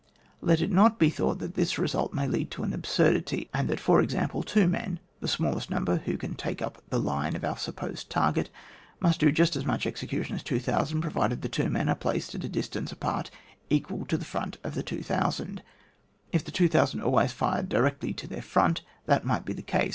Let it not be thought that this result may lead to an absurdity; and that, for example, two men (the smallest number who can take up the line of our supposed target) must do just as much execution as 2000, provided that the two men are placed at a distance apart equal to the front of the 2000. If the 2000 always fired directly to their front, that might be the case.